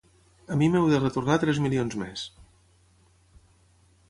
A mi m'heu de retornar tres milions més.